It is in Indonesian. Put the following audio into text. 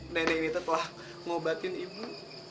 nenek itu telah ngobatin ibu